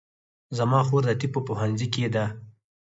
زما خور د طب په پوهنځي کې ده